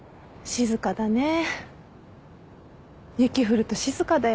静かだねー！